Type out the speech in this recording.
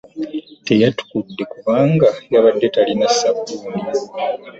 Teyatukudde kubanga yabadde talina sabbuuni.